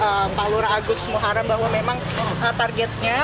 oleh pak lura agus muharrem bahwa memang targetnya